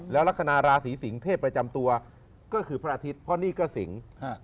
แล้วลักษณะราศีสิงศเทพประจำตัวก็คือพระอาทิตย์เพราะนี่ก็สิง